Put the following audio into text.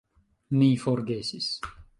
Mi forgesis